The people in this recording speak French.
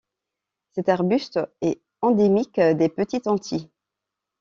Cet arbuste est endémique des Petites Antilles.